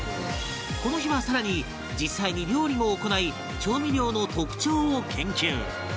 この日は更に実際に料理も行い調味料の特徴を研究